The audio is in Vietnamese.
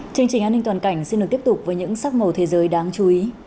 chương trình an ninh toàn cảnh xin được tiếp tục với những sắc màu thế giới đáng chú ý